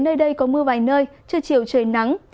nơi đây có mưa vài nơi chưa chiều trời nắng